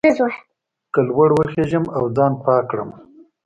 که لوړ وخېژم او ځان پاک کړم.